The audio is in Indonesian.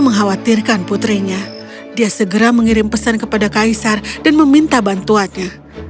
mengkhawatirkan putrinya dia segera mengirim pesan kepada kaisar dan meminta bantuannya